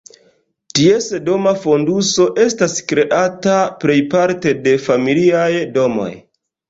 Ties doma fonduso estas kreata plejparte de familiaj domoj.